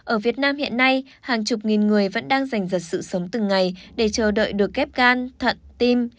ở việt nam hiện nay hàng chục nghìn người vẫn đang giành giật sự sống từng ngày để chờ đợi được ghép gan thận tim